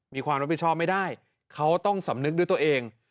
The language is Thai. มีความรับผิดชอบไม่ได้เขาต้องสำนึกด้วยตัวเอง